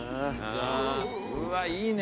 うわいいね